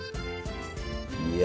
いや。